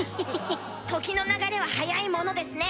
時の流れは早いものですね。